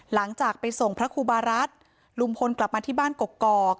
หลังจากไปส่งพระครูบารัฐลุงพลกลับมาที่บ้านกกอก